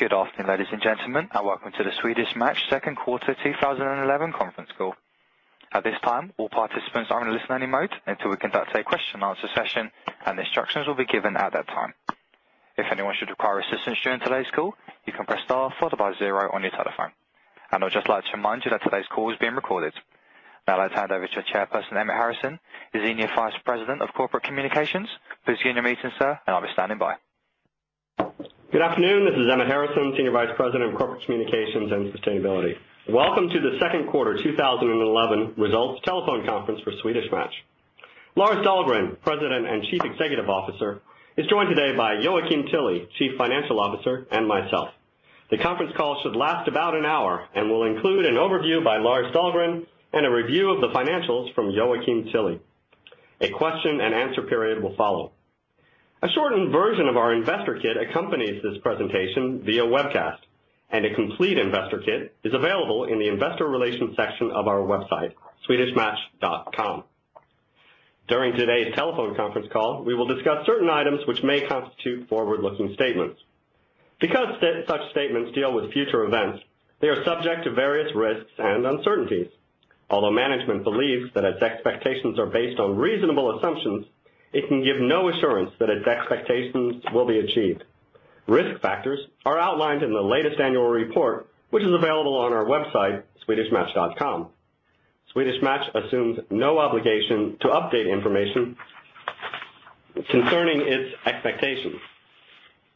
Good afternoon, ladies and gentlemen, and welcome to the Swedish Match Second Quarter 2011 Conference Call. At this time, all participants are in a listening mode until we conduct a question-and-answer session, and instructions will be given at that time. If anyone should require assistance during today's call, you can press star followed by zero on your telephone. I'd just like to remind you that today's call is being recorded. Now, let's hand over to our chairperson, Emmett Harrison, who's Senior Vice President of Corporate Communications. Please join your meeting, sir, and I'll be standing by. Good afternoon. This is Emmett Harrison, Senior Vice President of Corporate Communications and Sustainability. Welcome to the Second Quarter 2011 Results Telephone Conference for Swedish Match. Lars Dahlgren, President and Chief Executive Officer, is joined today by Joakim Tilly, Chief Financial Officer, and myself. The conference call should last about an hour and will include an overview by Lars Dahlgren and a review of the financials from Joakim Tilly. A question and answer period will follow. A shortened version of our Investor Kit accompanies this presentation via webcast, and a complete Investor Kit is available in the Investor Relations section of our website, swedishmatch.com. During today's telephone conference call, we will discuss certain items which may constitute forward-looking statements. Because such statements deal with future events, they are subject to various risks and uncertainties. Although management believes that its expectations are based on reasonable assumptions, it can give no assurance that its expectations will be achieved. Risk factors are outlined in the latest annual report, which is available on our website, swedishmatch.com. Swedish Match assumes no obligation to update information concerning its expectations.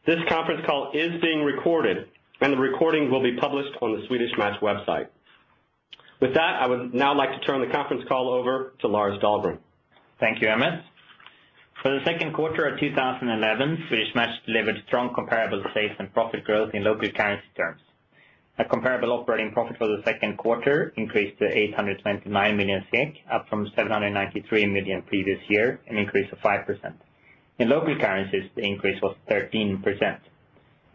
This conference call is being recorded, and the recording will be published on the Swedish Match website. With that, I would now like to turn the conference call over to Lars Dahlgren. Thank you, Emmett. For the second quarter of 2011, Swedish Match delivered strong comparable sales and profit growth in local currency terms. Comparable operating profit for the second quarter increased to 829 million, up from 793 million previous year, an increase of 5%. In local currencies, the increase was 13%.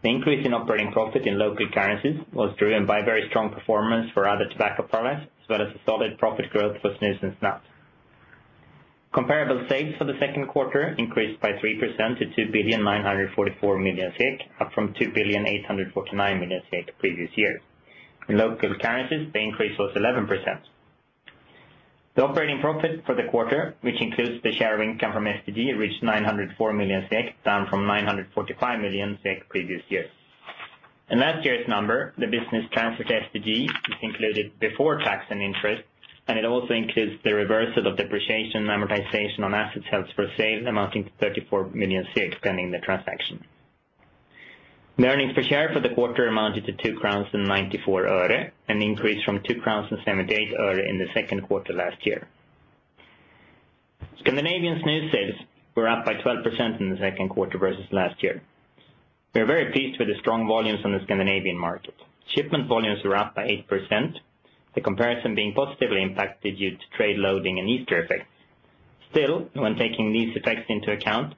The increase in operating profit in local currencies was driven by very strong performance for other tobacco products, as well as solid profit growth for snus and snacks. Comparable sales for the second quarter increased by 3% to 2,944 million SEK, up from 2,849 million SEK previous year. In local currencies, the increase was 11%. The operating profit for the quarter, which includes the share of income from STG, reached 904 million SEK, down from 945 million SEK previous year. In last year's number, the business transfer to STG is included before tax and interest, and it also includes the reversal of depreciation and amortization on assets held for sale, amounting to 34 million pending the transaction. The earnings per share for the quarter amounted to SEK 2.94, an increase from SEK 2.78 in the second quarter last year. Scandinavian snus sales were up by 12% in the second quarter versus last year. We are very pleased with the strong volumes on the Scandinavian market. Shipment volumes were up by 8%, the comparison being positively impacted due to trade loading and Easter effect. Still, when taking these effects into account,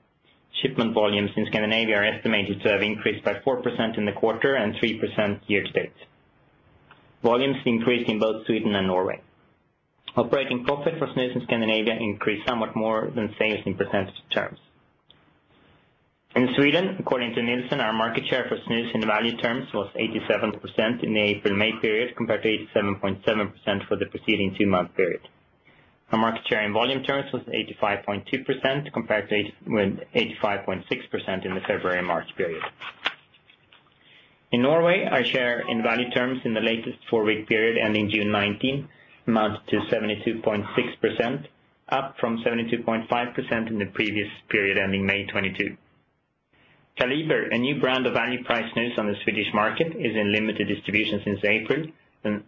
shipment volumes in Scandinavia are estimated to have increased by 4% in the quarter and 3% year to date. Volumes increased in both Sweden and Norway. Operating profit for snus in Scandinavia increased somewhat more than sales in percentage terms. In Sweden, according to Nielsen, our market share for snus in value terms was 87% in the April-May period compared to 87.7% for the preceding two-month period. Our market share in volume terms was 85.2% compared to 85.6% in the February-March period. In Norway, our share in value terms in the latest four-week period ending June 19 amounted to 72.6%, up from 72.5% in the previous period ending May 22. Kaliber, a new brand of value-priced snus on the Swedish market, is in limited distribution since April,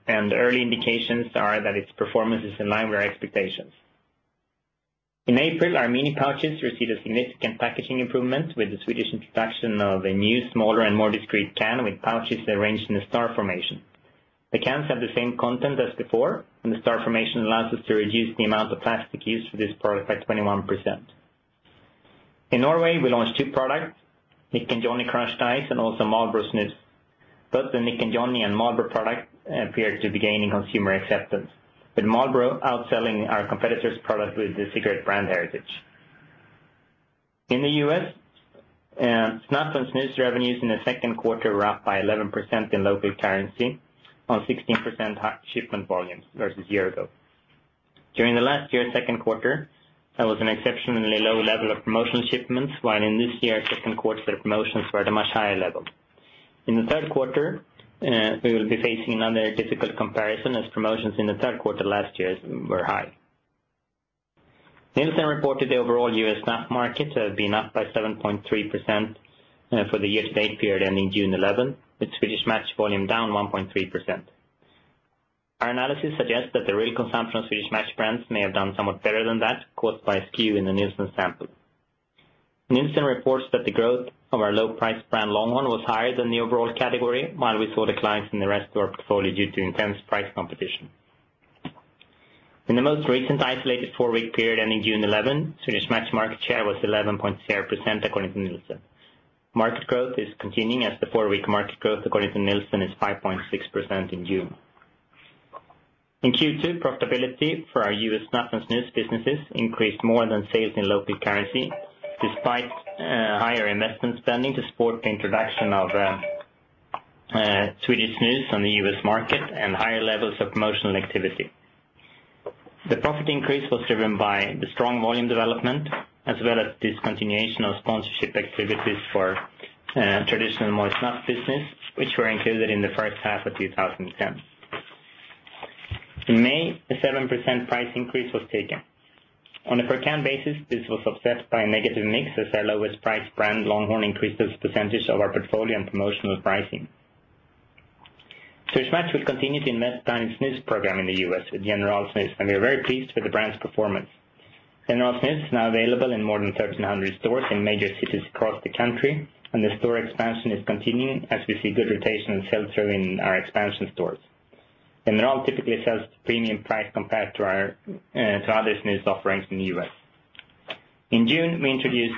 and early indications are that its performance is in line with our expectations. In April, our mini pouches received a significant packaging improvement with the Swedish introduction of a new, smaller, and more discrete can with pouches arranged in a star formation. The cans have the same content as before, and the star formation allows us to reduce the amount of plastic used for this product by 21%. In Norway, we launched two products, Nick & Johnny Crushed Ice, and also Marlboro Snus. Both the Nick & Johnny and Marlboro products appear to be gaining consumer acceptance, with Marlboro outselling our competitors' products with the cigarette brand heritage. In the U.S., snuff and snus revenues in the second quarter were up by 11% in local currency on 16% shipment volumes versus a year ago. During last year's second quarter, there was an exceptionally low level of promotional shipments, while in this year's second quarter the promotions were at a much higher level. In the third quarter, we will be facing another difficult comparison as promotions in the third quarter last year were high. Nielsen reported the overall U.S. snuff market to have been up by 7.3% for the year-to-date period ending June 11, with Swedish Match volume down 1.3%. Our analysis suggests that the real consumption of Swedish Match brands may have done somewhat better than that, caught by skew in the Nielsen sample. Nielsen reports that the growth of our low-priced brand Longhorn was higher than the overall category, while we saw declines in the rest of our portfolio due to intense price competition. In the most recent isolated four-week period ending June 11, Swedish Match market share was 11.0%, according to Nielsen. Market growth is continuing as the four-week market growth, according to Nielsen, is 5.6% in June. In Q2, profitability for our U.S. snuff and snus businesses increased more than sales in local currency, despite higher investment spending to support the introduction of Swedish snus on the U.S. market and higher levels of promotional activity. The profit increase was driven by the strong volume development, as well as the discontinuation of sponsorship activities for traditional moist snuff business, which were included in the first half of 2010. In May, a 7% price increase was taken. On a per-can basis, this was offset by a negative mix as our lowest-priced brand Longhorn increased its percentage of our portfolio and promotional pricing. Swedish Match will continue to implement the dining snus program in the U.S. with General Snus, and we are very pleased with the brand's performance. General Snus is now available in more than 1,300 stores in major cities across the country, and the store expansion is continuing as we see good rotation in sales serving our expansion stores. General typically sells at a premium price compared to our other snus offerings in the U.S. In June, we introduced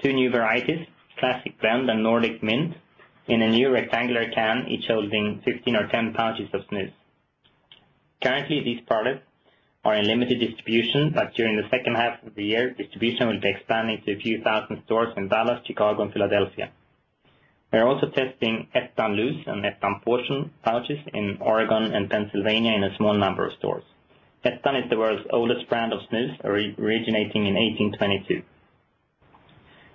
two new varieties: Classic Blend and Nordic Mint, in a new rectangular can, each holding 15 or 10 pouches of snus. Currently, these products are in limited distribution, but during the second half of the year, distribution will be expanded to a few thousand stores in Dallas, Chicago, and Philadelphia. We are also testing pouches in Oregon and Pennsylvania in a small number of stores. are originating in 1822.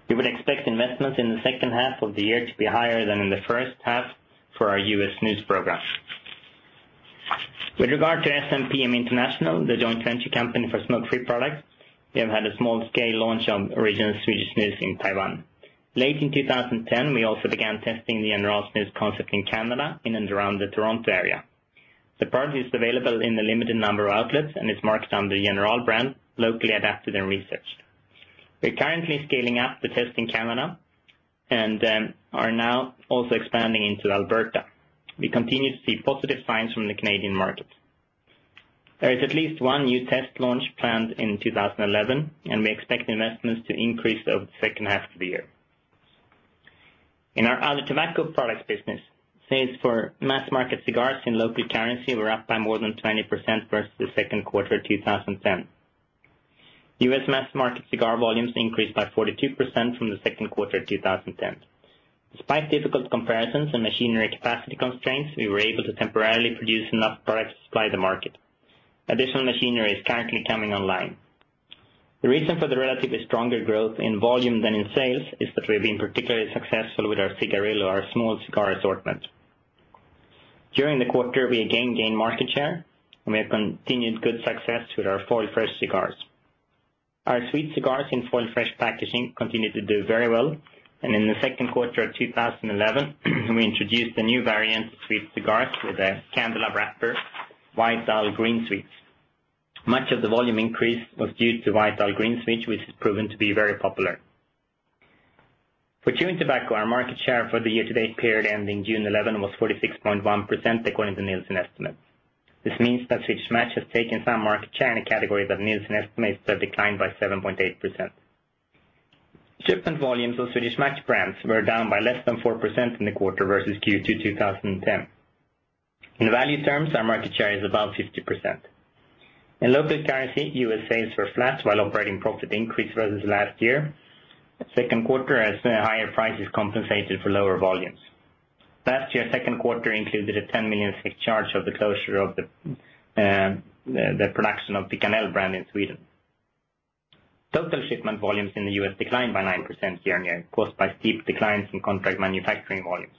We would expect investments in the second half of the year to be higher than in the first half for our U.S. snus program. With regard to SMPM International, the joint venture company for smoke-free products, we have had a small-scale launch of original Swedish snus in Taiwan. Late in 2010, we also began testing the General Snus concept in Canada and around the Toronto area. The product is available in a limited number of outlets and is marked under the General brand, locally adapted and researched. We are currently scaling up the test in Canada and are now also expanding into Alberta. We continue to see positive signs from the Canadian market. There is at least one new test launch planned in 2011, and we expect investments to increase over the second half of the year. In our other tobacco products business, sales for mass-market cigars in local currency were up by more than 20% versus the second quarter of 2010. U.S. mass-market cigar volumes increased by 42% from the second quarter of 2010. Despite difficult comparisons and machinery capacity constraints, we were able to temporarily produce enough products to supply the market. Additional machinery is currently coming online. The reason for the relatively stronger growth in volume than in sales is that we have been particularly successful with our cigarillo, our small cigar assortment. During the quarter, we again gained market share, and we have continued good success with our foil-fresh cigars. Our sweet cigars in foil-fresh packaging continue to do very well, and in the second quarter of 2011, we introduced a new variant of sweet cigars with a candela wrapper, White Owl Green Sweets. Much of the volume increase was due to White Owl Green Sweets, which has proven to be very popular. For chewing tobacco, our market share for the year-to-date period ending June 11 was 46.1%, according to Nielsen estimates. This means that Swedish Match has taken some market share in a category that Nielsen estimates to have declined by 7.8%. Shipment volumes of Swedish Match brands were down by less than 4% in the quarter versus Q2 2010. In value terms, our market share is above 50%. In local currency, U.S. sales were flat, while operating profit increased versus last year. The second quarter had higher prices compensated for lower volumes. Last year, the second quarter included a 10 million charge for the closure of the production of the Piccanell brand in Sweden. Total shipment volumes in the U.S. declined by 9% year on year, caused by steep declines in contract manufacturing volumes.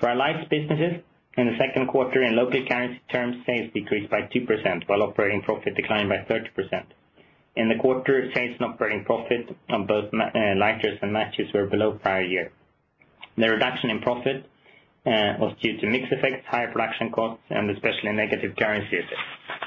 For our lighter businesses, in the second quarter, in local currency terms, sales decreased by 2%, while operating profit declined by 30%. In the quarter, sales and operating profit on both lighters and matches were below prior year. The reduction in profit was due to mix effects, higher production costs, and especially negative currency effects.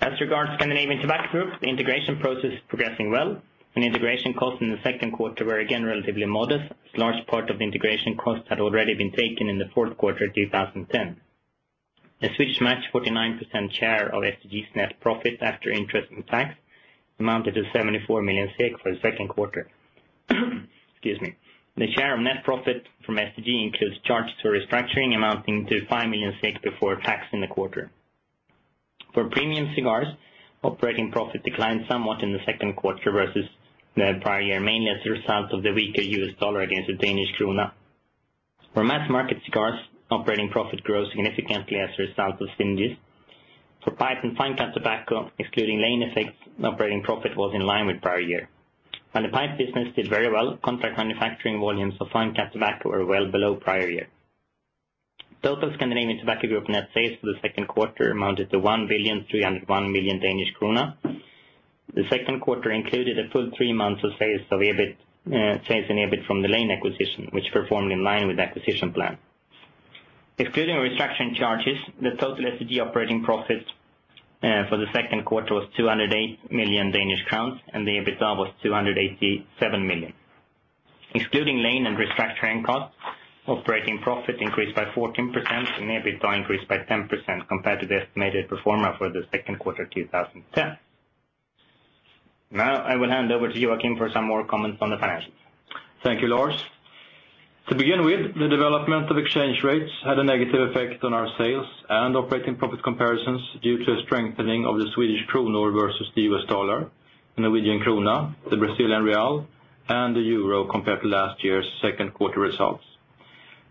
As regards to Scandinavian Tobacco Group, the integration process is progressing well. Integration costs in the second quarter were again relatively modest. A large part of the integration costs had already been taken in the fourth quarter of 2010. Swedish Match's 49% share of STG's net profit after interest and tax amounted to 74 million SEK for the second quarter. The share of net profit from STG includes charges for restructuring amounting to 5 million SEK before tax in the quarter. For premium cigars, operating profit declined somewhat in the second quarter versus the prior year, mainly as a result of the weaker U.S. dollar against the Danish krone. For mass-market cigars, operating profit grew significantly as a result of synergies. For pipe and fine cut tobacco, excluding Lane effects, operating profit was in line with prior year. While the pipe business did very well, contract manufacturing volumes of fine cut tobacco were well below prior year. Total Scandinavian Tobacco Group net sales for the second quarter amounted to 1.301 billion. The second quarter included a full three months of sales and EBIT from the Lane acquisition, which performed in line with the acquisition plan. Excluding restructuring charges, the total STG operating profit for the second quarter was 208 million Danish crowns, and the EBITDA was 287 million. Excluding Lane and restructuring costs, operating profit increased by 14% and EBITDA increased by 10% compared to the estimated pro forma for the second quarter of 2010. Now, I will hand over to Joakim for some more comments on the financials. Thank you, Lars. To begin with, the development of exchange rates had a negative effect on our sales and operating profit comparisons due to a strengthening of the Swedish krone versus the U.S. dollar, the Norwegian krone, the Brazilian real, and the euro compared to last year's second quarter results.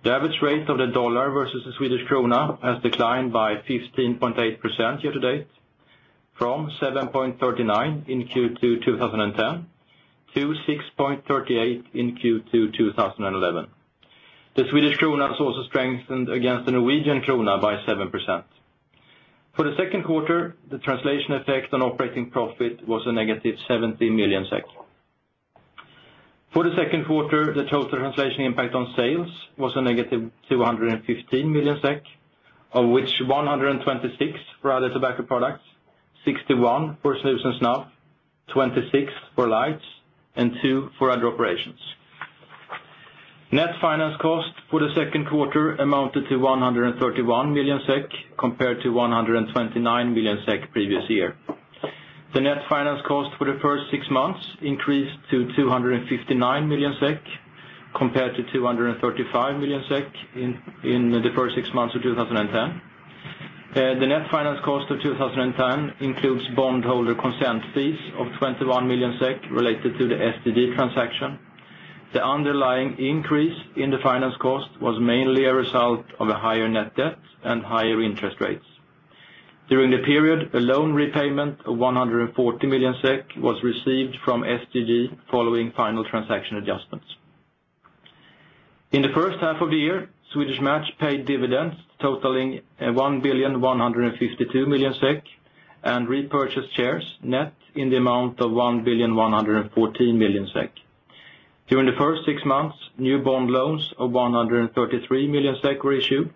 The average rate of the dollar versus the Swedish krone has declined by 15.8% year to date, from 7.39 in Q2 2010 to 6.38 in Q2 2011. The Swedish krone has also strengthened against the Norwegian krone by 7%. For the second quarter, the translation effect on operating profit was a -70 million SEK. For the second quarter, the total translation impact on sales was a -215 million SEK, of which 126 million for other tobacco products, 61 million for snus and snuff, 26 million for lights, and 2 million for other operations. Net finance costs for the second quarter amounted to 131 million SEK compared to 129 million SEK previous year. The net finance costs for the first six months increased to 259 million SEK compared to 235 million SEK in the first six months of 2010. The net finance cost of 2010 includes bondholder consent fees of 21 million SEK related to the STG transaction. The underlying increase in the finance cost was mainly a result of a higher net debt and higher interest rates. During the period, a loan repayment of 140 million SEK was received from STG following final transaction adjustments. In the first half of the year, Swedish Match paid dividends totaling 1,152 million SEK and repurchased shares net in the amount of 1,114 million SEK. During the first six months, new bond loans of 133 million SEK were issued.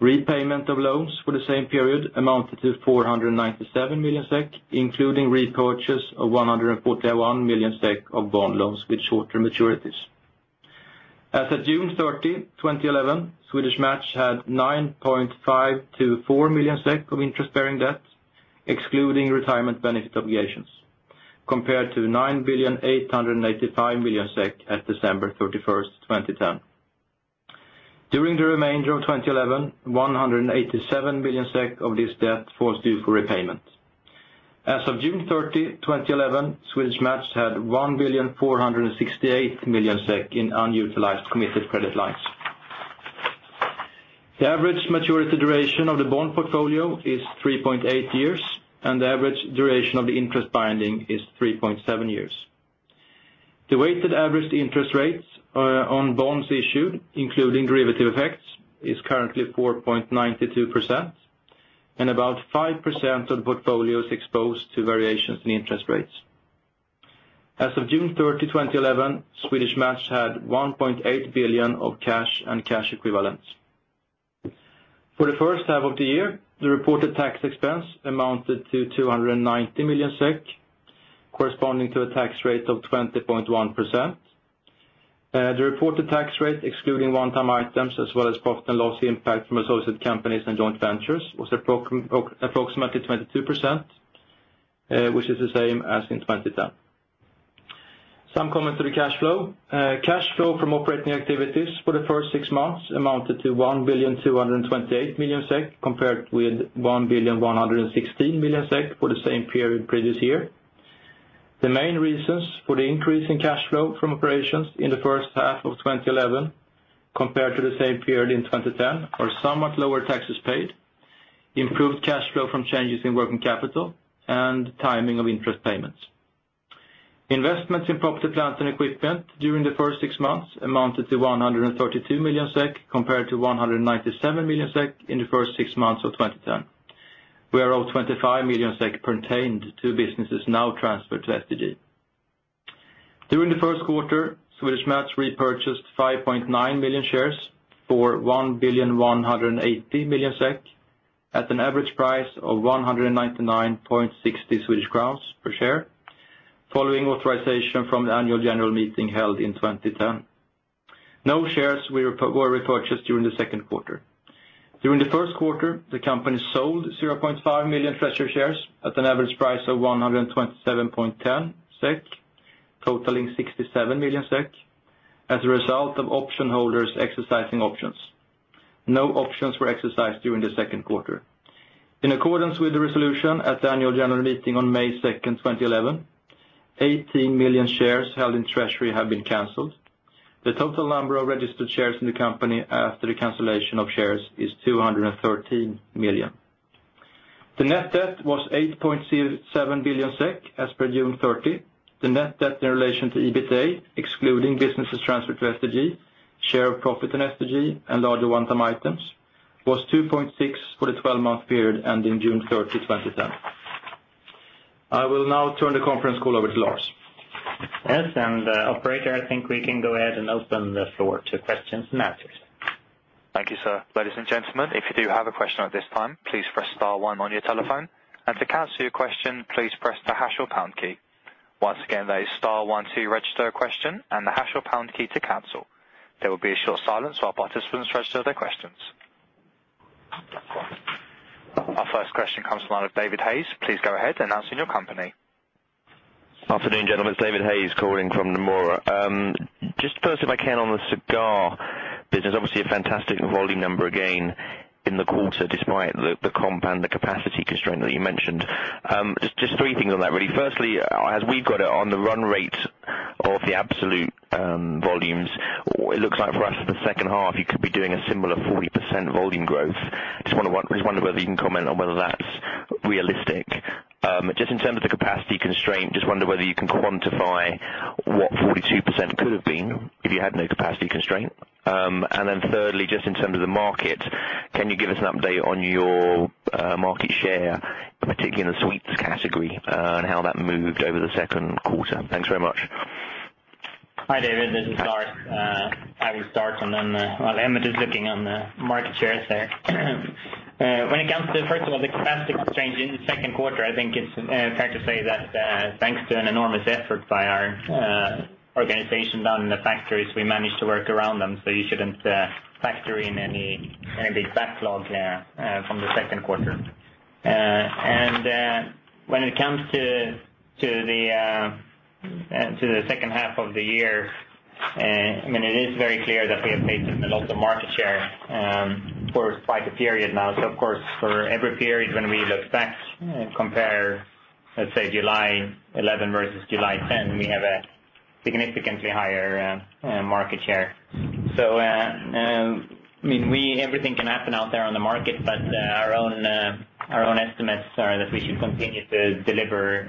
Repayment of loans for the same period amounted to 497 million SEK, including repurchase of 141 million SEK of bond loans with shorter maturities. As of June 30, 2011, Swedish Match had 9,524 million SEK of interest-bearing debt, excluding retirement benefit obligations, compared to 9,885 million SEK at December 31, 2010. During the remainder of 2011, 187 million SEK of this debt falls due for repayment. As of June 30, 2011, Swedish Match had 1,468 million SEK in unutilized committed credit lines. The average maturity duration of the bond portfolio is 3.8 years, and the average duration of the interest binding is 3.7 years. The weighted average interest rates on bonds issued, including derivative effects, is currently 4.92%, and about 5% of the portfolio is exposed to variations in interest rates. As of June 30, 2011, Swedish Match had 1.8 billion of cash and cash equivalents. For the first half of the year, the reported tax expense amounted to 290 million SEK, corresponding to a tax rate of 20.1%. The reported tax rate, excluding one-time items as well as profit and loss impact from associate companies and joint ventures, was approximately 22%, which is the same as in 2010. Some comments to the cash flow. Cash flow from operating activities for the first six months amounted to 1.228 billion compared with 1.116 billion for the same period previous year. The main reasons for the increase in cash flow from operations in the first half of 2011 compared to the same period in 2010 are somewhat lower taxes paid, improved cash flow from changes in working capital, and timing of interest payments. Investments in property, plant, and equipment during the first six months amounted to 132 million SEK compared to 197 million SEK in the first six months of 2010, where 25 million SEK pertained to businesses now transferred to STG. During the first quarter, Swedish Match repurchased 5.9 million shares for 1.18 billion at an average price of 199.60 Swedish crowns per share following authorization from the annual general meeting held in 2010. No shares were repurchased during the second quarter. During the first quarter, the company sold 0.5 million treasury shares at an average price of 127.10 SEK, totaling 67 million SEK, as a result of option holders exercising options. No options were exercised during the second quarter. In accordance with the resolution at the annual general meeting on May 2, 2011, 18 million shares held in treasury have been canceled. The total number of registered shares in the company after the cancellation of shares is 213 million. The net debt was 8.07 billion SEK as per June 30. The net debt in relation to EBITDA, excluding businesses transferred to STG, share of profit in STG, and larger one-time items, was 2.6 for the 12-month period ending June 30, 2010. I will now turn the conference call over to Lars. Thanks, Emmett. Operator, I think we can go ahead and open the floor to questions and answers. Thank you, sir. Ladies and gentlemen, if you do have a question at this time, please press star one on your telephone, and to cancel your question, please press the hash or pound key. Once again, there is star one to register a question and the hash or pound key to cancel. There will be a short silence while participants register their questions. Our first question comes from David Hayes. Please go ahead announcing your company. Afternoon, gentlemen. It's David Hayes calling from NOMURA. Just first, if I can, on the cigar business, obviously a fantastic volume number again in the quarter despite the compound capacity constraint that you mentioned. Just three things on that, really. Firstly, as we've got it on the run rates of the absolute volumes, it looks like for us for the second half you could be doing a similar 40% volume growth. I just wonder whether you can comment on whether that's realistic. Just in terms of the capacity constraint, I just wonder whether you can quantify what 42% could have been if you had no capacity constraint. Thirdly, just in terms of the market, can you give us an update on your market share, particularly in the sweets category, and how that moved over the second quarter? Thanks very much. Hi, David. This is Lars. I'll start, and then Emmett is looking on the market share there. When it comes to, first of all, the capacity constraint in the second quarter, I think it's fair to say that thanks to an enormous effort by our organization down in the factories, we managed to work around them. You shouldn't factor in any backlog from the second quarter. When it comes to the second half of the year, it is very clear that we have made a lot of market share for quite a period now. For every period when we look back and compare, let's say July 11 versus July 10, we have a significantly higher market share. Everything can happen out there on the market, but our own estimates are that we should continue to deliver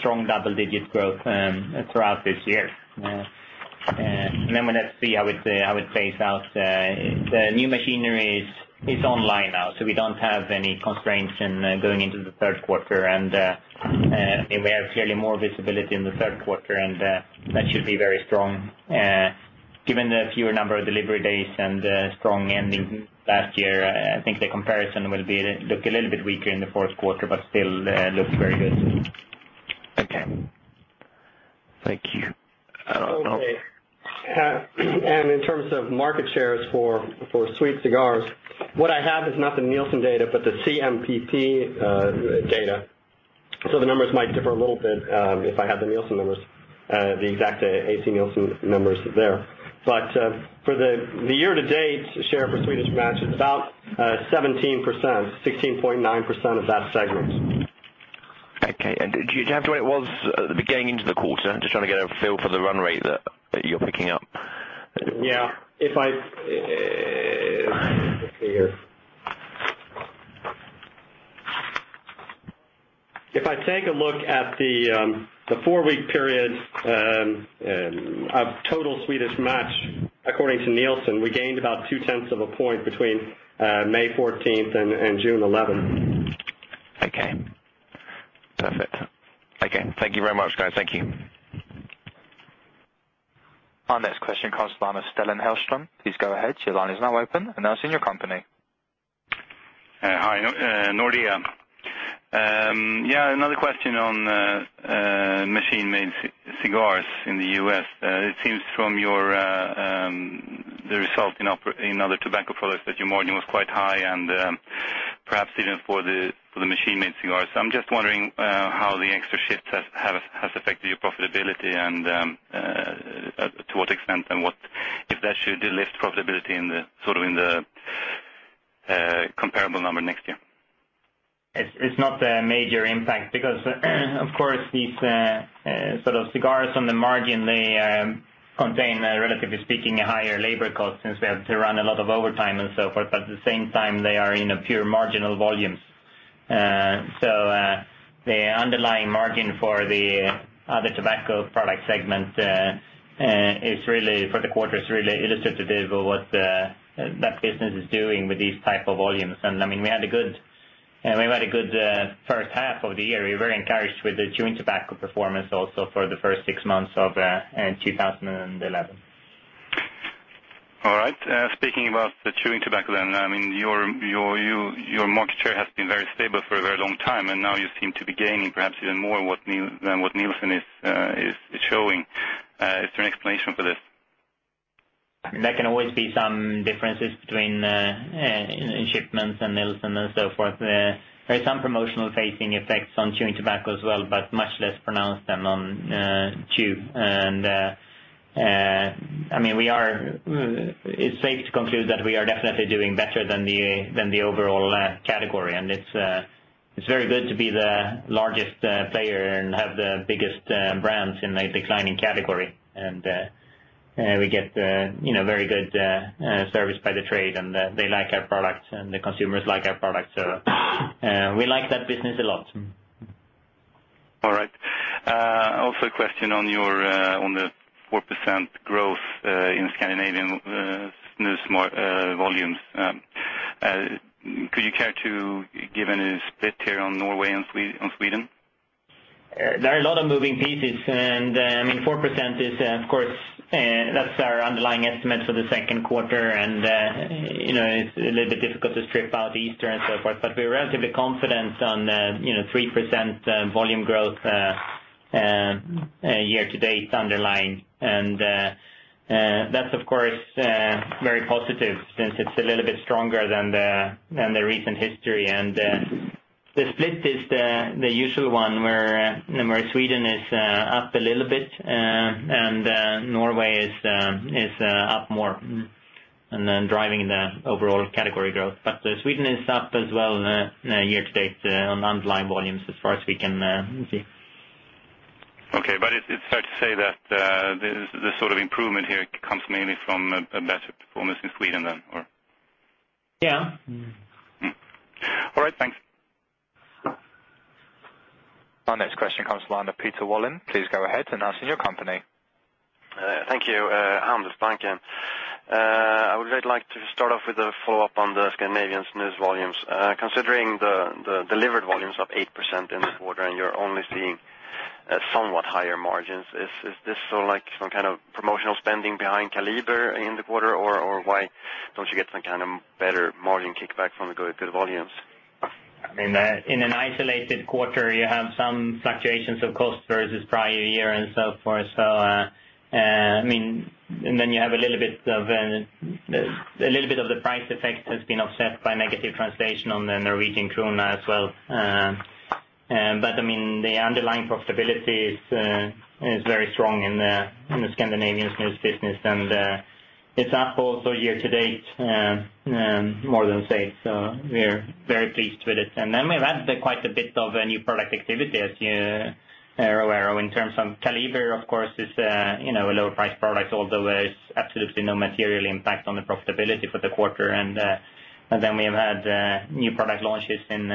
strong double-digit growth throughout this year. Let's see how it plays out. The new machinery is online now, so we don't have any constraints in going into the third quarter, and we have clearly more visibility in the third quarter, and that should be very strong. Given the fewer number of delivery days and the strong ending last year, I think the comparison will look a little bit weaker in the fourth quarter, but still looks very good. Okay, thank you. Okay. In terms of market shares for sweet cigars, what I have is not the Nielsen data, but the CMPP data. The numbers might differ a little bit if I have the Nielsen numbers, the exact A.C. Nielsen numbers there. For the year-to-date share for Swedish Match, it's about 17%, 16.9% of that segment. Okay. Do you have to wait? It's the beginning into the quarter. I'm just trying to get a feel for the run rate that you're picking up. Yeah. If I take a look at the four-week period of total Swedish Match, according to Nielsen, we gained about 0.2 of a point between May 14 and June 11. Okay. Perfect. Okay. Thank you very much, guys. Thank you. Our next question comes from Stellan Hjelsman. Please go ahead. The line is now open announcing your company. Hi. Nordia. Yeah, another question on machine-made cigars in the U.S. It seems from the result in other tobacco products that your margin was quite high and perhaps even for the machine-made cigars. I'm just wondering how the extra shifts have affected your profitability and to what extent and if that should lift profitability in the sort of comparable number next year. It's not the major impact because, of course, these sort of cigars on the margin, they contain, relatively speaking, a higher labor cost since we have to run a lot of overtime and so forth. At the same time, they are in pure marginal volumes. The underlying margin for the other tobacco product segment is really, for the quarter, really illustrative of what that business is doing with these types of volumes. I mean, we had a good first half of the year. We were very encouraged with the chewing tobacco performance also for the first six months of 2011. All right. Speaking about the chewing tobacco, your market share has been very stable for a very long time, and now you seem to be gaining perhaps even more than what Nielsen is showing. Is there an explanation for this? There can always be some differences between shipments and Nielsen and so forth. There are some promotional facing effects on chewing tobacco as well, but much less pronounced than on chew. It's safe to conclude that we are definitely doing better than the overall category. It's very good to be the largest player and have the biggest brands in a declining category. We get very good service by the trade, and they like our products, and the consumers like our products. We like that business a lot. All right. Also, a question on the 4% growth in Scandinavian snus volumes. Could you care to give any split here on Norway and Sweden? There are a lot of moving pieces. I mean, 4% is, of course, that's our underlying estimate for the second quarter, and it's a little bit difficult to strip out Easter and so forth. We're relatively confident on 3% volume growth year to date underlying, and that's, of course, very positive since it's a little bit stronger than the recent history. The split is the usual one where Sweden is up a little bit and Norway is up more, driving the overall category growth. Sweden is up as well year to date on underlying volumes as far as we can see. Okay, it's fair to say that the sort of improvement here comes mainly from a better performance in Sweden then. Yeah. All right. Thanks. Our next question comes from Peter Wallin. Please go ahead announcing your company. Thank you. Handlelsbanken. I would really like to start off with a follow-up on the Scandinavian snus volumes. Considering the delivered volumes of 8% in this quarter and you're only seeing somewhat higher margins, is this sort of like some kind of promotional spending behind Kaliber in the quarter, or why don't you get some kind of better margin kickback from the good volumes? In an isolated quarter, you have some fluctuations of costs versus prior year and so forth. You have a little bit of the price effect that has been offset by negative translation on the Norwegian krone as well. The underlying profitability is very strong in the Scandinavian snus business, and it's up also year to date more than sales. We're very pleased with it. We've had quite a bit of new product activity, as you are aware of, in terms of Kaliber, of course, which is a lower-priced product, although there's absolutely no material impact on the profitability for the quarter. We have had new product launches in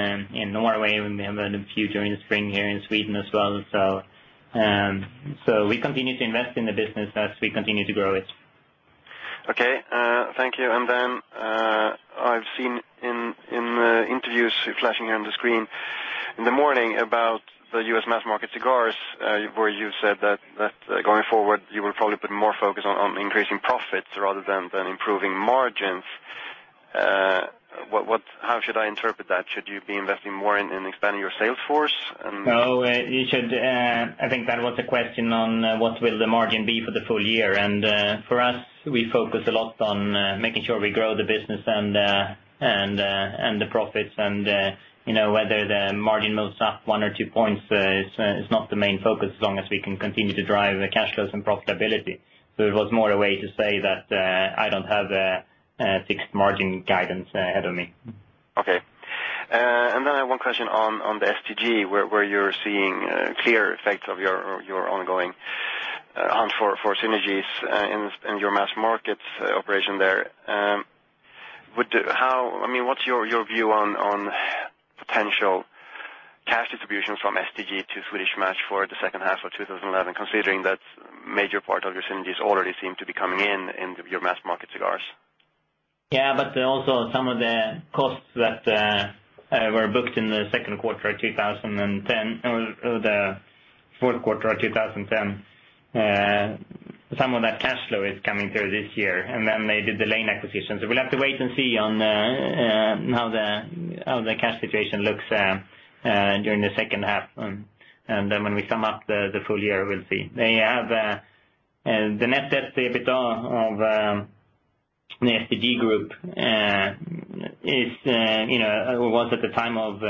Norway, and we have had a few during the spring here in Sweden as well. We continue to invest in the business as we continue to grow it. Okay. Thank you. I've seen in interviews flashing here on the screen in the morning about the U.S. mass-market cigars where you said that going forward, you will probably put more focus on increasing profits rather than improving margins. How should I interpret that? Should you be investing more in expanding your sales force? I think that was a question on what will the margin be for the full year. For us, we focus a lot on making sure we grow the business and the profits. Whether the margin moves up one or two points is not the main focus as long as we can continue to drive cash flows and profitability. It was more a way to say that I don't have a fixed margin guidance ahead of me. Okay. I have one question on the STG where you're seeing clear effects of your ongoing hunt for synergies in your mass-market operation there. What's your view on potential cash distributions from STG to Swedish Match for the second half of 2011, considering that a major part of your synergies already seem to be coming in in your mass-market cigars? Yeah, but also some of the costs that were booked in the second quarter of 2010 or the fourth quarter of 2010, some of that cash flow is coming through this year, and they did the Lane acquisition. We'll have to wait and see on how the cash situation looks during the second half. When we sum up the full year, we'll see. The net debt/EBITDA of the STG was at the time of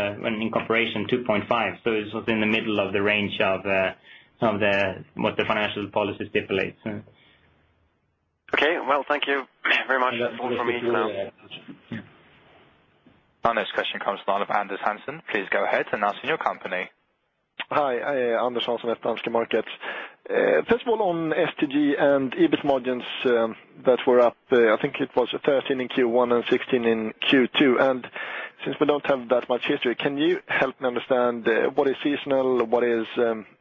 incorporation 2.5, so it was in the middle of the range of what the financial policy stipulates. Okay. Thank you very much. Thank you. Our next question comes from Anders Hansson. Please go ahead and announcing your company. Hi. Anders Hansson with Danske Markets. First of all, on STG and EBITDA margins that were up, I think it was 13% in Q1 and 16% in Q2. Since we don't have that much history, can you help me understand what is seasonal, what is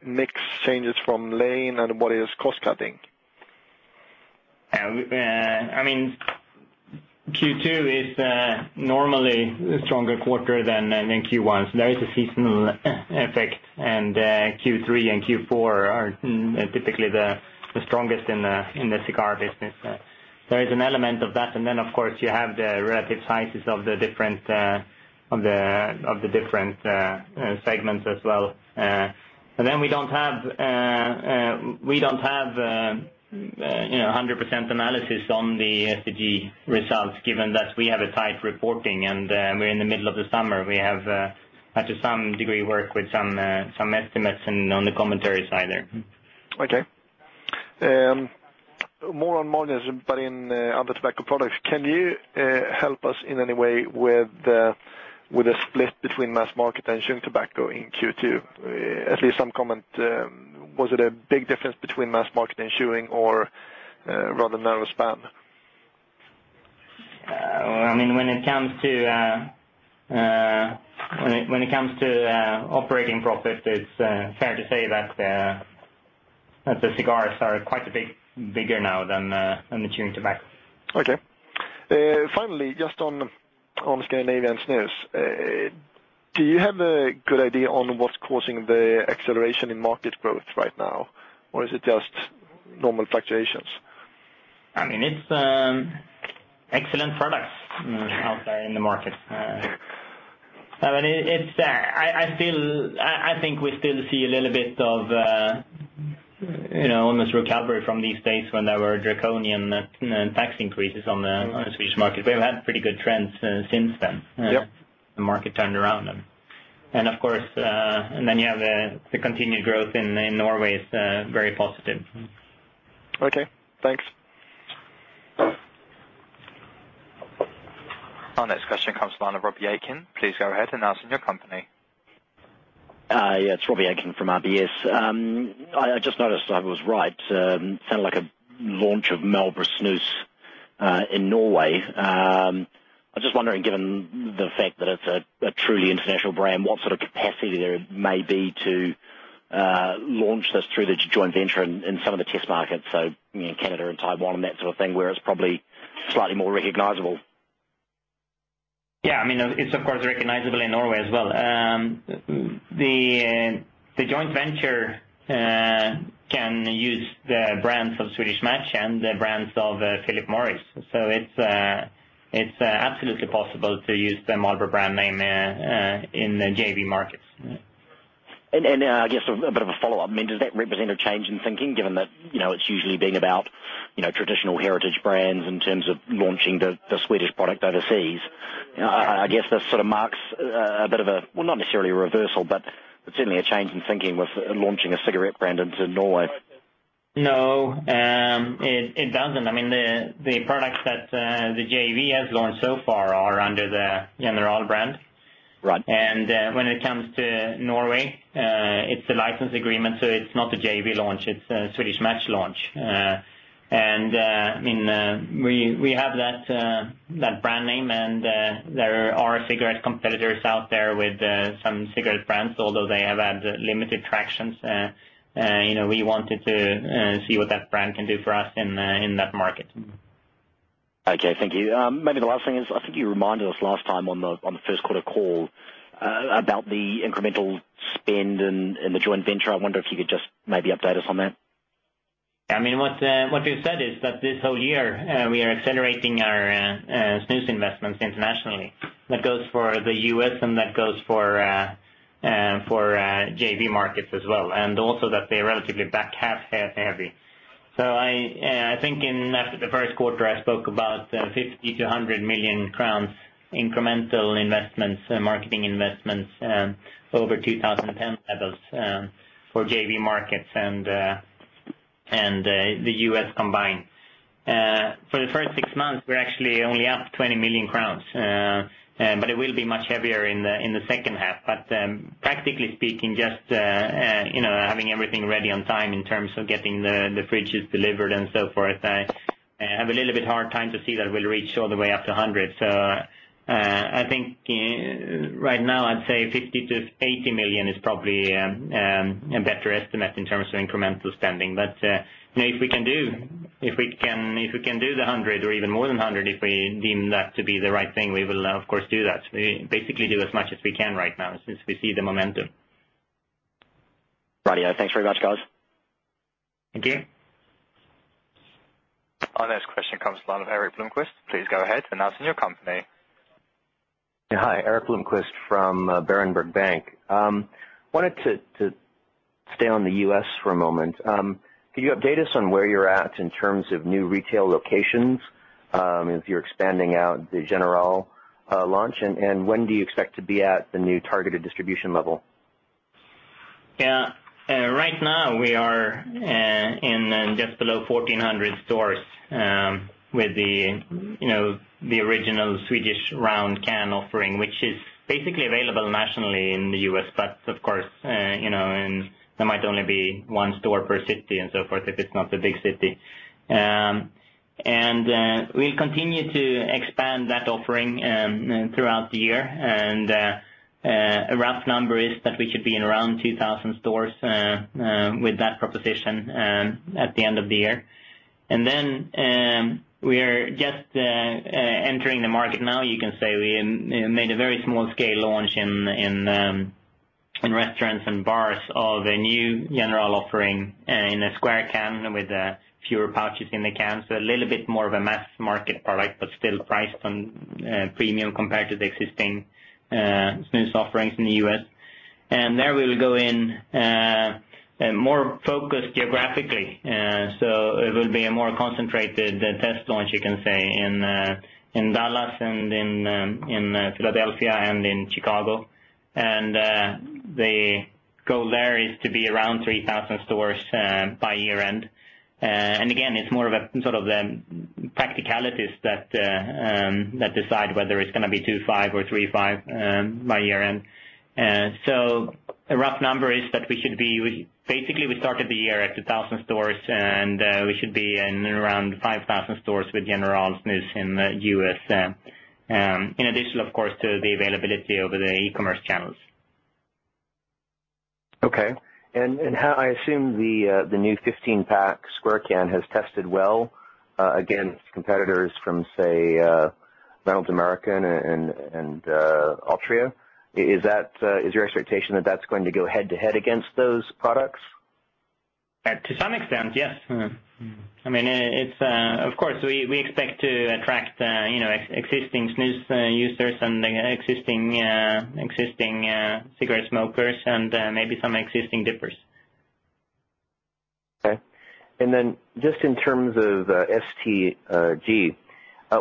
mix changes from lane, and what is cost cutting? Q2 is normally a stronger quarter than Q1. There is a seasonal effect, and Q3 and Q4 are typically the strongest in the cigar business. There is an element of that. Of course, you have the relative sizes of the different segments as well. We don't have a 100% analysis on the STG results, given that we have a tight reporting and we're in the middle of the summer. We have, to some degree, worked with some estimates on the commentary side there. Okay. More on margins, but in other tobacco products, can you help us in any way with a split between mass-market and chewing tobacco in Q2? At least some comment. Was it a big difference between mass-market and chewing or a rather narrow span? I mean, when it comes to operating profit, it's fair to say that the cigars are quite a bit bigger now than the chewing tobacco. Okay. Finally, just on Scandinavian snus, do you have a good idea on what's causing the acceleration in market growth right now, or is it just normal fluctuations? I mean, it's excellent products out there in the market. I think we still see a little bit of almost recovery from these days when there were draconian tax increases on the Swedish market. We've had pretty good trends since then. The market turned around. Of course, you have the continued growth in Norway, which is very positive. Okay. Thanks. Our next question comes from Robbie Aitken. Please go ahead announcing your company. Yeah, it's Robbie Aitken from RBS. I just noticed I was right. It sounded like a launch of Marlboro Snus in Norway. I'm just wondering, given the fact that it's a truly international brand, what sort of capacity there may be to launch this through the joint venture in some of the test markets, so in Canada and Taiwan and that sort of thing, where it's probably slightly more recognizable. Yeah, I mean, it's of course recognizable in Norway as well. The joint venture can use the brands of Swedish Match and the brands of Philip Morris. It's absolutely possible to use the Marlboro brand name in the JV markets. Does that represent a change in thinking, given that it's usually been about traditional heritage brands in terms of launching the Swedish product overseas? This sort of marks a bit of a, not necessarily a reversal, but certainly a change in thinking with launching a cigarette brand into Norway. No, it doesn't. I mean, the products that the JV has launched so far are under the General brand. When it comes to Norway, it's a license agreement, so it's not the JV launch. It's a Swedish Match launch. I mean, we have that brand name, and there are cigarette competitors out there with some cigarette brands, although they have had limited traction. We wanted to see what that brand can do for us in that market. Okay. Thank you. Maybe the last thing is, I think you reminded us last time on the first quarter call about the incremental spend and the joint venture. I wonder if you could just maybe update us on that. Yeah, I mean, what we've said is that this whole year, we are accelerating our snus investments internationally. That goes for the U.S. and that goes for JV markets as well, and also that they're relatively back half heavy. I think in the first quarter, I spoke about 50 million-100 million crowns incremental investments, marketing investments over 2010 levels for JV markets and the U.S. combined. For the first six months, we're actually only up 20 million crowns, but it will be much heavier in the second half. Practically speaking, just having everything ready on time in terms of getting the fridges delivered and so forth, I have a little bit hard time to see that we'll reach all the way up to 100 million. I think right now, I'd say 50 million-80 million is probably a better estimate in terms of incremental spending. If we can do the 100 million or even more than 100 million, if we deem that to be the right thing, we will, of course, do that. We basically do as much as we can right now since we see the momentum. Right. Yeah, thanks very much, guys. Thank you. Our next question comes from Erik Blomquist. Please go ahead announcing your company. Hi. Erik Blomquist from Berenberg Bank. I wanted to stay on the U.S. for a moment. Could you update us on where you're at in terms of new retail locations as you're expanding out the General launch? When do you expect to be at the new targeted distribution level? Right now, we are in just below 1,400 stores with the original Swedish round can offering, which is basically available nationally in the U.S., but of course, you know, there might only be one store per city and so forth if it's not a big city. We continue to expand that offering throughout the year. A rough number is that we should be in around 2,000 stores with that proposition at the end of the year. We are just entering the market now. You can say we made a very small-scale launch in restaurants and bars of a new General offering in a square can with fewer pouches in the can, so a little bit more of a mass-market product, but still priced on premium compared to the existing snus offerings in the U.S. We will go in more focused geographically. It will be a more concentrated test launch, you can say, in Dallas, Philadelphia, and Chicago. The goal there is to be around 3,000 stores by year-end. Again, it's more of the practicalities that decide whether it's going to be 2,500 or 3,500 by year-end. A rough number is that we should be basically, we started the year at 2,000 stores, and we should be in around 5,000 stores with General Snus in the U.S., in addition, of course, to the availability over the e-commerce channels. Okay. I assume the new 15-pack square can has tested well against competitors from, say, North America and Austria. Is your expectation that that's going to go head-to-head against those products? To some extent, yes. I mean, of course, we expect to attract existing snus users, existing cigarette smokers, and maybe some existing dippers. Okay. In terms of STG,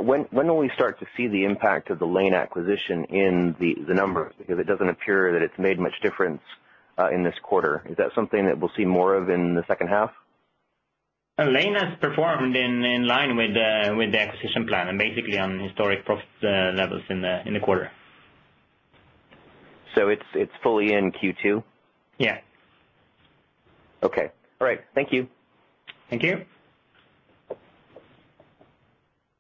when will we start to see the impact of the Lane acquisition in the numbers? It doesn't appear that it's made much difference in this quarter. Is that something that we'll see more of in the second half? A Lane has performed in line with the acquisition plan and basically on historic profit levels in the quarter. Is it fully in Q2? Yeah. Okay. All right. Thank you. Thank you.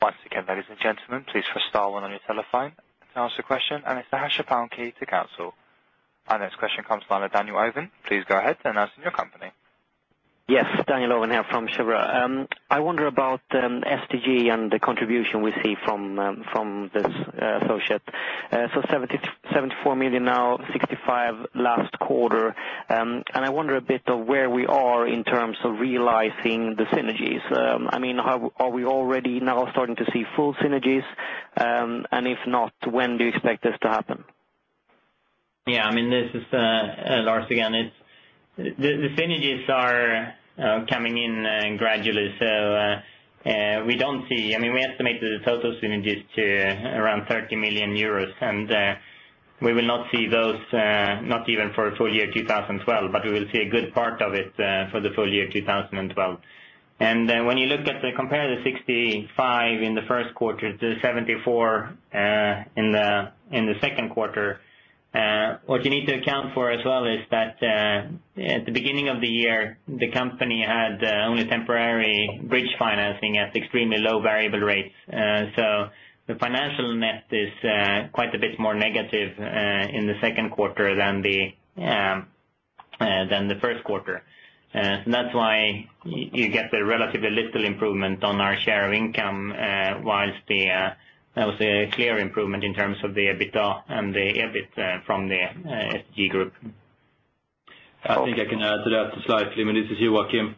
Once again, ladies and gentlemen, please press star one on your telephone to ask questions, and use the hash or pound key to cancel. Our next question comes from Daniel Ivan. Please go ahead and ask your question. Yes. Daniel Ivan here from Chevron. I wonder about STG and the contribution we see from this associate. 74 million now, 65 million last quarter. I wonder a bit of where we are in terms of realizing the synergies. I mean, are we already now starting to see full synergies? If not, when do you expect this to happen? Yeah. I mean, this is Lars again, the synergies are coming in gradually. We don't see, I mean, we estimate the total synergies to around 30 million euros. We will not see those, not even for a full year 2012, but we will see a good part of it for the full year 2012. When you look at the compare, the 65 million in the first quarter to the 74 million in the second quarter, what you need to account for as well is that at the beginning of the year, the company had only temporary bridge financing at extremely low variable rates. The financial net is quite a bit more negative in the second quarter than the first quarter. That's why you get the relatively little improvement on our share of income, whilst there was a clear improvement in terms of the EBITDA and the EBIT from the STG group. I think I can add to that slightly. I mean, this is Joakim.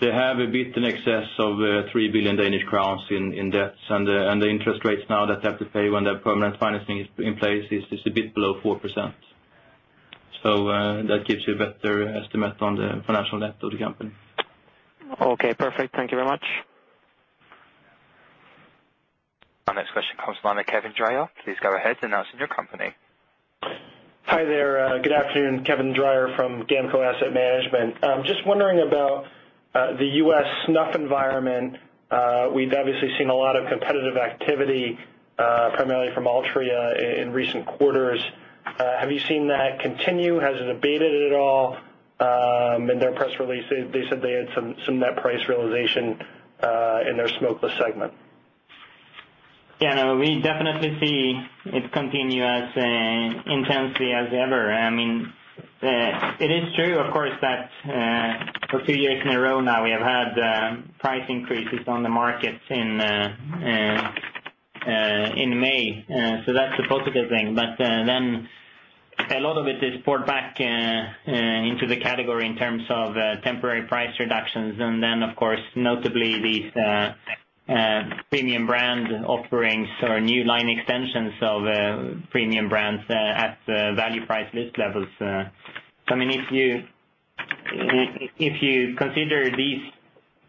They have a bit in excess of 3 billion Danish crowns in debts, and the interest rates now that they have to pay when their permanent financing is in place is a bit below 4%. That gives you a better estimate on the financial net of the company. Okay. Perfect. Thank you very much. Our next question comes from Kevin Dreyer. Please go ahead announcing your company. Hi there. Good afternoon. Kevin Dreyer from GAMCO Asset Management. I'm just wondering about the U.S. snuff environment. We've obviously seen a lot of competitive activity, primarily from Austria, in recent quarters. Have you seen that continue? Has it abated at all? In their press release, they said they had some net price realization in their smokeless segment. Yeah, no, we definitely see it continue as intensely as ever. It is true, of course, that for two years in a row now, we have had price increases on the markets in May. That's a positive thing. A lot of it is poured back into the category in terms of temporary price reductions. Of course, notably, these premium brand offerings or new line extensions of premium brands at value price list levels. If you consider these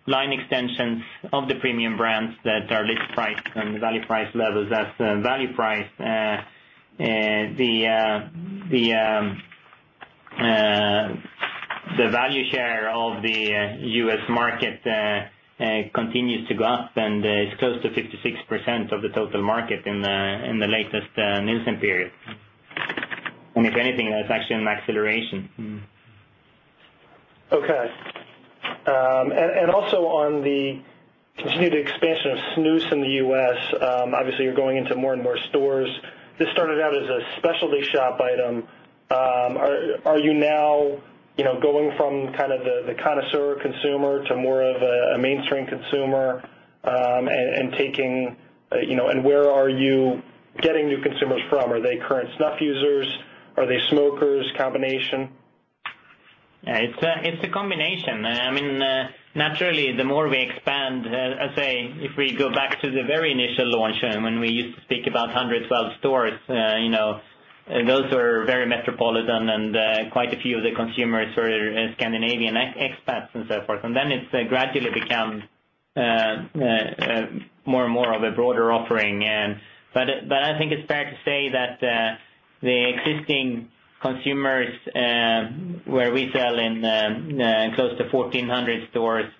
line extensions of the premium brands that are list priced on the value price levels as value priced, the value share of the U.S. market continues to go up and is close to 56% of the total market in the latest Nielsen period. If anything, that's actually an acceleration. Okay. Also, on the continued expansion of snus in the U.S., obviously, you're going into more and more stores. This started out as a specialty shop item. Are you now going from kind of the connoisseur consumer to more of a mainstream consumer, and where are you getting new consumers from? Are they current snuff users? Are they smokers? Combination? Yeah, it's a combination. I mean, naturally, the more we expand, I'd say if we go back to the very initial launch when we used to speak about 112 stores, those were very metropolitan and quite a few of the consumers were Scandinavian expats and so forth. It has gradually become more and more of a broader offering. I think it's fair to say that the existing consumers where we sell in close to 1,400 stores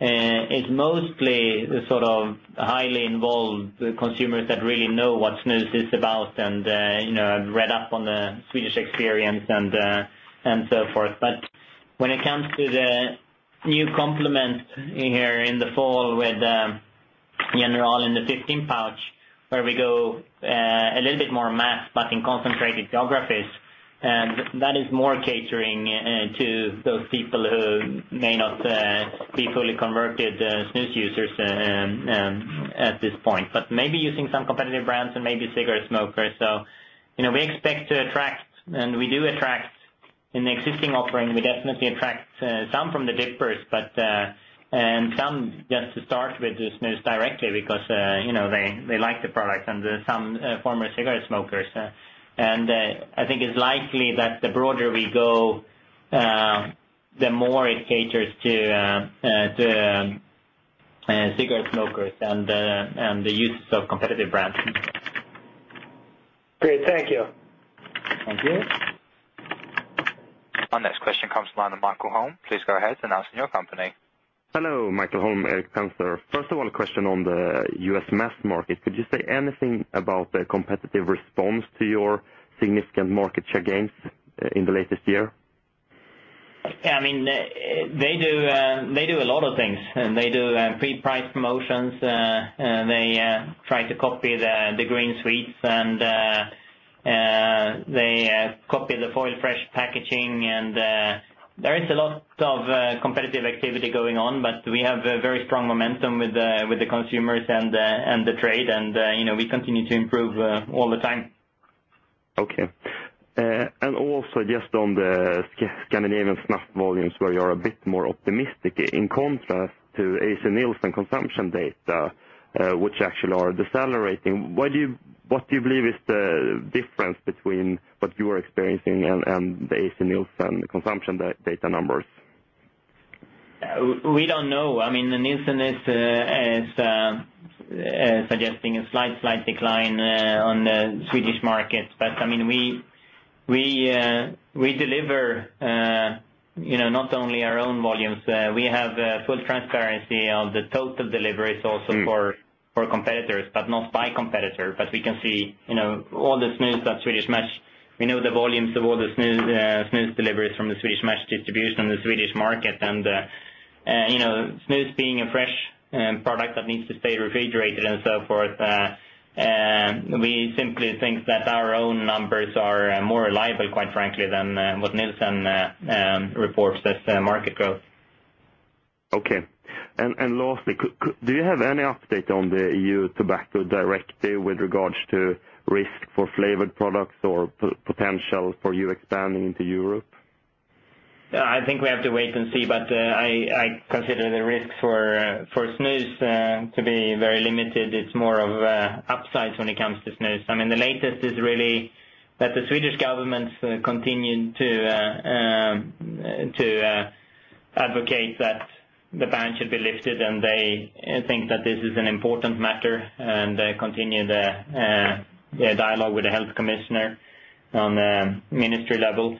is mostly the sort of highly involved consumers that really know what snus is about and have read up on the Swedish experience and so forth. When it comes to the new complement here in the fall with the General in the 15-pouch where we go a little bit more mass but in concentrated geographies, that is more catering to those people who may not be fully converted snus users at this point, but maybe using some competitive brands and maybe cigarette smokers. We expect to attract, and we do attract in the existing offering, we definitely attract some from the dippers and some just to start with the snus directly because they like the product and there's some former cigarette smokers. I think it's likely that the broader we go, the more it caters to cigarette smokers and the users of competitive brands. Great, thank you. Our next question comes from Mikael Holm. Please go ahead announcing your company. Hello, Mikael Holm, Erik Penser. First of all, a question on the U.S. mass market. Could you say anything about the competitive response to your significant market share gains in the latest year? Yeah, I mean, they do a lot of things. They do pre-price promotions. They try to copy the green sweets, and they copy the foil-fresh packaging. There is a lot of competitive activity going on, but we have a very strong momentum with the consumers and the trade, and we continue to improve all the time. Okay. Also, just on the Scandinavian snuff volumes where you are a bit more optimistic in contrast to AC Nielsen consumption data, which actually are decelerating, what do you believe is the difference between what you are experiencing and the AC Nielsen consumption data numbers? We don't know. I mean, the Nielsen is suggesting a slight, slight decline on the Swedish market. I mean, we deliver not only our own volumes. We have full transparency of the total deliveries also for competitors, but not by competitor. We can see all the snus at Swedish Match. We know the volumes of all the snus deliveries from the Swedish Match distribution in the Swedish market. Snus being a fresh product that needs to stay refrigerated and so forth, we simply think that our own numbers are more reliable, quite frankly, than what Nielsen reports as market growth. Okay. Lastly, do you have any update on the EU Tobacco Directive with regards to risk for flavored products or potential for you expanding into Europe? I think we have to wait and see, but I consider the risk for snus to be very limited. It's more of upsides when it comes to snus. I mean, the latest is really that the Swedish government continued to advocate that the ban should be lifted, and they think that this is an important matter and continue the dialogue with the Health Commissioner on the ministry level.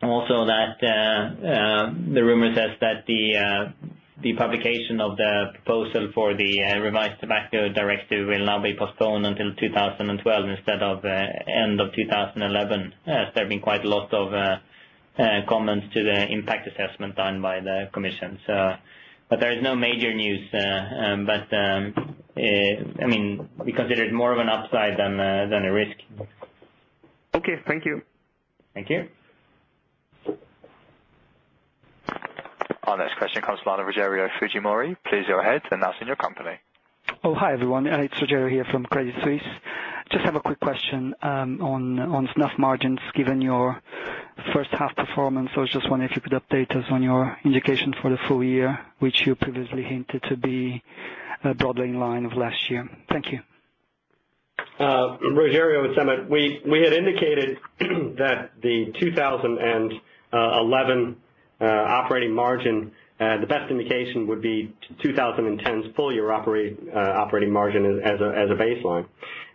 Also, the rumor says that the publication of the proposal for the revised Tobacco Directive will now be postponed until 2012 instead of the end of 2011, as there have been quite a lot of comments to the impact assessment done by the Commission. There is no major news, because it is more of an upside than a risk. Okay, thank you. Thank you. Our next question comes from Rogerio Fujimori. Please go ahead announcing your company. Oh, hi everyone. It's Rogerio here from Credit Suisse. Just have a quick question on snuff margins. Given your first half performance, I was just wondering if you could update us on your indication for the full year, which you previously hinted to be a broadening line of last year. Thank you. We had indicated that the 2011 operating margin, the best indication would be 2010's full-year operating margin as a baseline.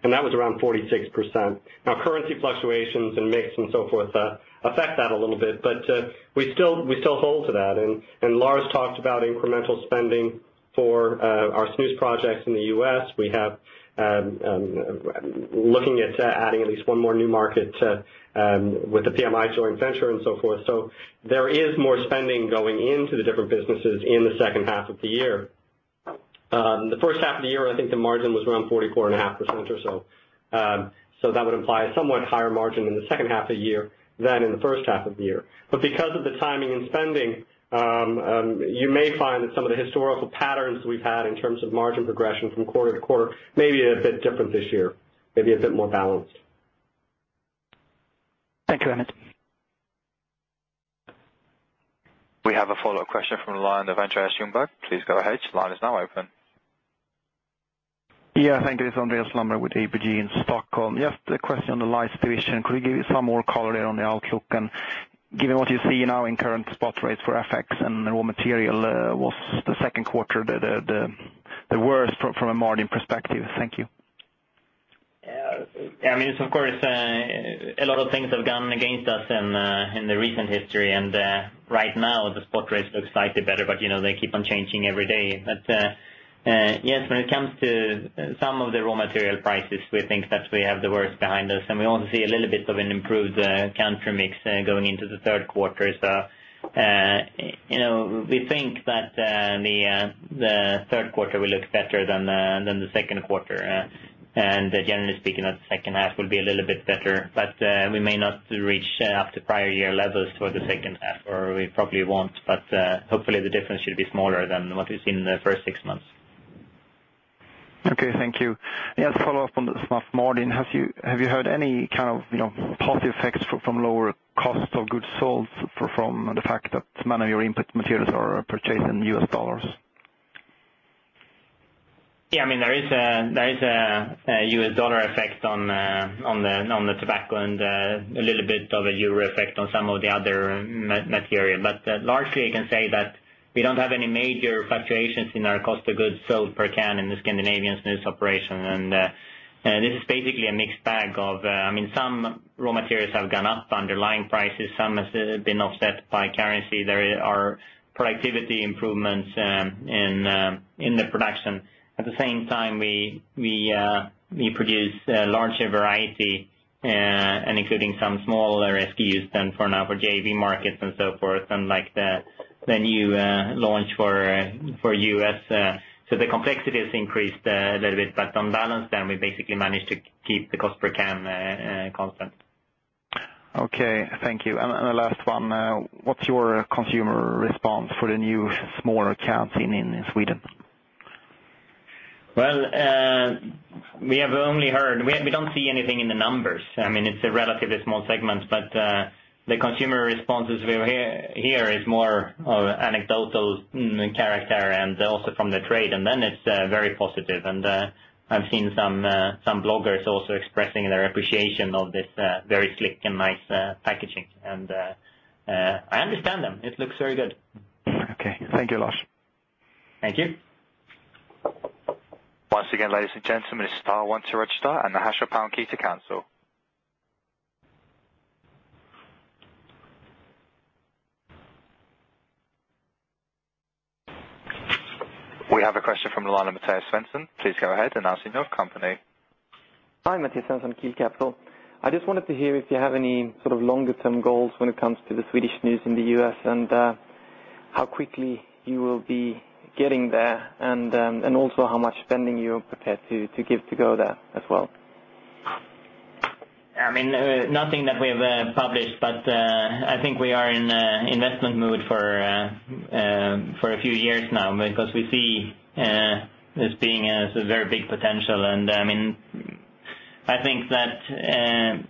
That was around 46%. Currency fluctuations and mix and so forth affect that a little bit, but we still hold to that. Lars talked about incremental spending for our snus projects in the U.S. We are looking at adding at least one more new market with the PMI joint venture and so forth. There is more spending going into the different businesses in the second half of the year. The first half of the year, I think the margin was around 44.5% or so. That would imply a somewhat higher margin in the second half of the year than in the first half of the year. Because of the timing and spending, you may find that some of the historical patterns that we've had in terms of margin progression from quarter to quarter may be a bit different this year, maybe a bit more balanced. Thank you, Emmett. We have a follow-up question from line of Andreas Lammer. Please go ahead. Your line is now open. Thank you. It's Andreas Lammer with ABG in Stockholm. Just a question on the licensing issue. Could you give us some more color there on the outlook? Given what you see now in current spot rates for FX and raw material, was the second quarter the worst from a margin perspective? Thank you. Yeah, I mean, of course, a lot of things have gone against us in the recent history. Right now, the spot rates look slightly better, but you know they keep on changing every day. Yes, when it comes to some of the raw material prices, we think that we have the worst behind us. We also see a little bit of an improved country mix going into the third quarter. We think that the third quarter will look better than the second quarter. Generally speaking, the second half will be a little bit better. We may not reach up to prior year levels for the second half, or we probably won't. Hopefully, the difference should be smaller than what we've seen in the first six months. Okay. Thank you. Yes, follow-up on the snuff margin. Have you heard any kind of positive effects from lower cost of goods sold from the fact that many of your input materials are purchased in U.S. dollars? Yeah, I mean, there is a U.S. dollar effect on the tobacco and a little bit of a euro effect on some of the other material. Largely, you can say that we don't have any major fluctuations in our cost of goods sold per can in the Scandinavian snus operation. This is basically a mixed bag of, I mean, some raw materials have gone up underlying prices. Some have been offset by currency. There are productivity improvements in the production. At the same time, we produce a larger variety, including some smaller SKUs than for an average AV market and so forth, like the new launch for U.S. The complexity has increased a little bit. On balance, then we basically managed to keep the cost per can constant. Thank you. The last one, what's your consumer response for the new smaller cans in Sweden? We have only heard, we don't see anything in the numbers. I mean, it's a relatively small segment. The consumer responses we have here are more of anecdotal character and also from the trade, and it's very positive. I've seen some bloggers also expressing their appreciation of this very slick and nice packaging. I understand them. It looks very good. Okay. Thank you, Lars. Thank you. Once again, ladies and gentlemen, it's star one to register and the pound key to cancel. We have a question from Mathias Svensson. Please go ahead announcing your company. Hi, Mathias Svensson at KEEL CAPITAL. I just wanted to hear if you have any sort of longer-term goals when it comes to the Swedish snus in the U.S. and how quickly you will be getting there and also how much spending you're prepared to give to go there as well. I mean, nothing that we have published, but I think we are in investment mode for a few years now because we see this being a very big potential. I think that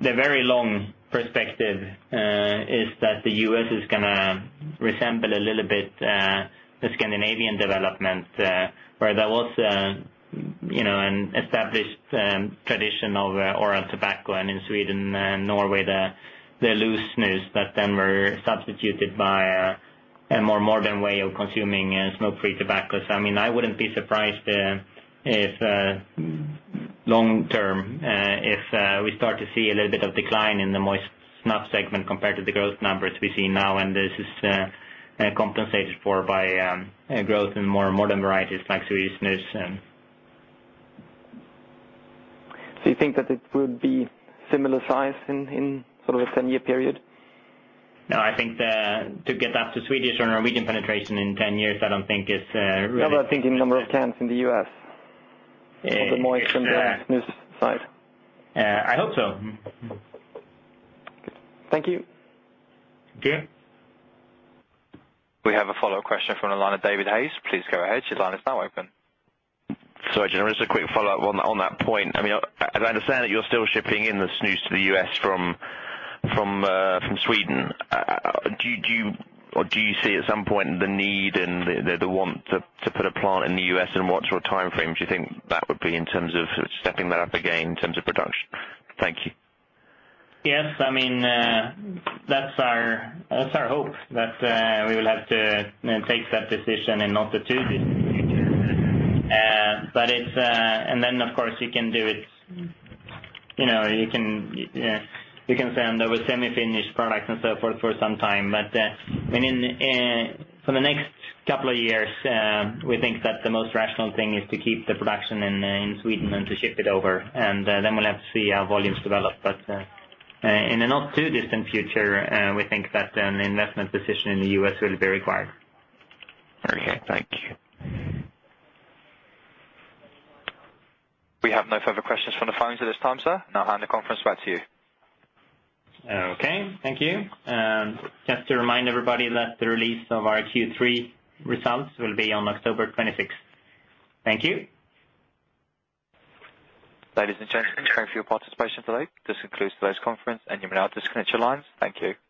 the very long perspective is that the U.S. is going to resemble a little bit the Scandinavian development where there was an established tradition of oral tobacco and in Sweden and Norway, the loose snus that then were substituted by a more modern way of consuming smoke-free tobacco. I wouldn't be surprised if long-term, if we start to see a little bit of decline in the moist snuff segment compared to the growth numbers we see now. This is compensated for by growth in more modern varieties like Swedish snus. Do you think that it would be similar size in sort of a 10-year period? No, I think to get up to Swedish or Norwegian penetration in 10 years, I don't think is really. How about thinking number of cans in the U.S., the moist and the loose side? I hope so. Thank you. Thank you. We have a follow-up question from our line of David Hayes. Please go ahead. Line is now open. Sorry, generally, just a quick follow-up on that point. I mean, as I understand it, you're still shipping in the snus to the U.S. from Sweden. Do you see at some point the need and the want to put a plant in the U.S., and what sort of timeframes do you think that would be in terms of stepping that up again in terms of production? Thank you. Yes. I mean, that's our hope that we will have to take that decision and not the two decisions. Of course, you can do it. You can send over semi-finished products and so forth for some time. For the next couple of years, we think that the most rational thing is to keep the production in Sweden and to ship it over. We'll have to see how volumes develop. In a not-too-distant future, we think that an investment position in the U.S. will be required. Very good. Thank you. We have no further questions from the phones at this time, sir. I'll hand the conference back to you. Okay. Thank you. Just to remind everybody that the release of our Q3 results will be on October 26. Thank you. Ladies and gentlemen, thank you for your participation today. This concludes today's conference, and you may now disconnect your lines. Thank you.